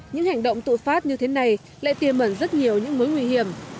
những hành động tự phát như thế này lại tiềm mẩn rất nhiều những mối nguy hiểm